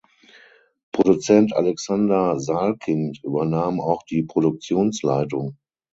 Produzent Alexander Salkind übernahm auch die Produktionsleitung.